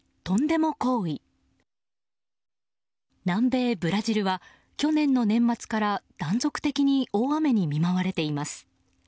南米ブラジルは去年の年末から断続的に大雨に見舞われています。